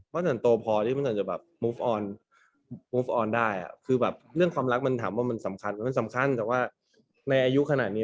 มันเป็นสำคัญมันเป็นสำคัญแต่ว่าในอายุขนาดนี้